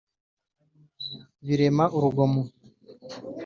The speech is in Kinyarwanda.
birema urugomo